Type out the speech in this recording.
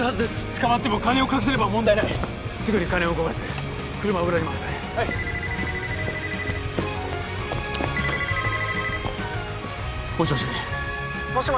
捕まっても金を隠せれば問題ないすぐに金を動かす車を裏に回せはいもしもし？